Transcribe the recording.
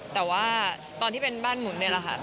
แต่ว่าตอนที่เป็นบ้านหมุนนี่แหละค่ะ